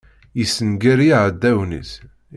Yessenger iɛdawen-is.